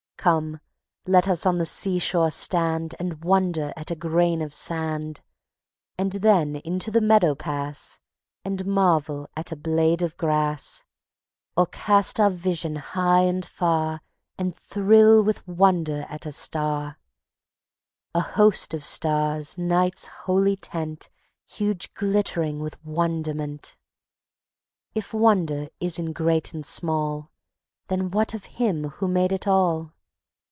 Come, let us on the sea shore stand And wonder at a grain of sand; And then into the meadow pass And marvel at a blade of grass; Or cast our vision high and far And thrill with wonder at a star; A host of stars night's holy tent Huge glittering with wonderment. If wonder is in great and small, Then what of Him who made it all?